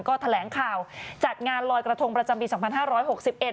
ก็แถลงข่าวจัดงานลอยกระทงประจำปีสองพันห้าร้อยหกสิบเอ็